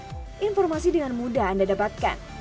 dan boom informasi dengan mudah anda dapatkan